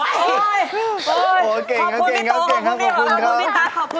โอ๊ยขอบคุณพี่โตขอบคุณพี่ตั๊กขอบคุณพี่แจ๊กมากครับ